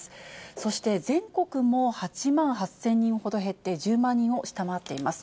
そして、全国も８万８０００人ほど減って１０万人を下回っています。